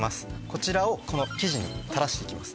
こちらをこの生地に垂らしていきます。